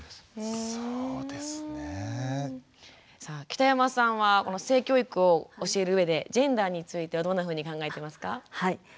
北山さんは性教育を教える上でジェンダーについてはどんなふうに考えていますか？